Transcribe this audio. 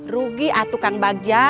rugi atuh kang bagja